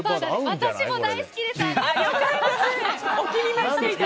私も大好きです！